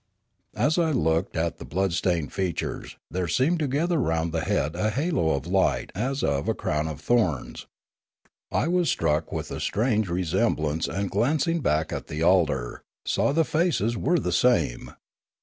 As I looked at the blood stained features, there seemed to gather round the head a halo of light as of a crown of thorns. I was struck with a strange re semblance and glancing back at the altar, saw the faces were the same.